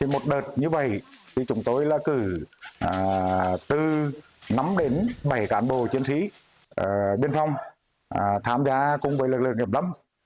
một đợt như vậy thì chúng tôi là cử từ năm đến bảy cán bộ chiến sĩ biên phong tham gia cùng với lực lượng nghiệp lâm